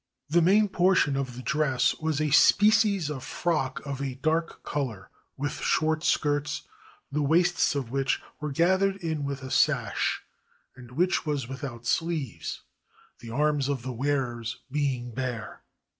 The main portion of the dress was a species of frock of a dark color, with short skirts, 427 JAPAN the waists of which were gathered in with a sash, and which was without sleeves, the arms of the wearers being bare.